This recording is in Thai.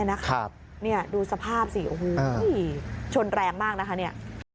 นี่ดูสภาพสิโอ้โหชนแรงมากนะคะเนี่ย